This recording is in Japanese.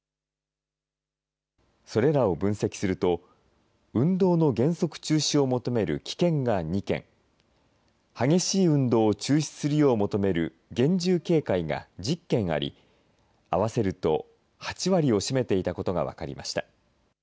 それらを分析すると、運動の原則中止を求める危険が２件、激しい運動を中止するよう求める厳重警戒が１０件あり、合わせると８割を占めていたことが分かりました。